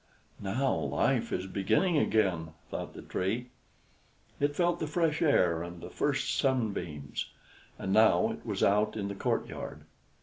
"Now life is beginning again!" thought the Tree. It felt the fresh air and the first sunbeams, and now it was out in the courtyard.